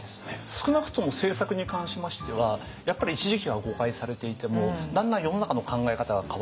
少なくとも政策に関しましてはやっぱり一時期は誤解されていてもだんだん世の中の考え方が変わるとですね